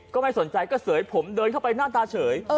ก็ไม่สนใจก็เสยผมเดินเข้าไปหน้าตาเฉย